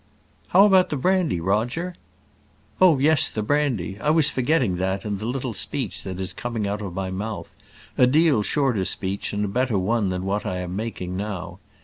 "How about the brandy, Roger?" "Oh, yes, the brandy! I was forgetting that and the little speech that is coming out of my mouth a deal shorter speech, and a better one than what I am making now.